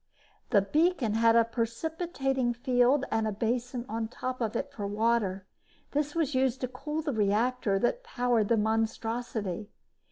The beacon had a precipitating field and a basin on top of it for water; this was used to cool the reactor that powered the monstrosity.